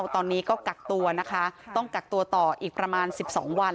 ตอนนี้ก็กักตัวนะคะต้องกักตัวต่ออีกประมาณ๑๒วัน